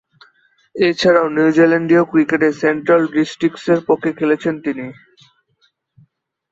এছাড়াও, নিউজিল্যান্ডীয় ক্রিকেটে সেন্ট্রাল ডিস্ট্রিক্টসের পক্ষে খেলেছেন তিনি।